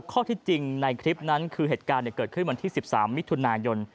ข้อที่จริงในคลิปนั้นคือเหตุการณ์เกิดขึ้นวันที่๑๓มิถุนายน